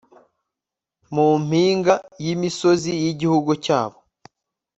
mu mpinga y'imisozi y'igihugu cyabo